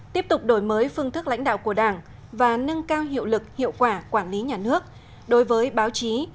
tiếp tục đổi mới phương thức lãnh đạo của đảng và nâng cao hiệu lực hiệu quả quản lý nhà nước đối với báo chí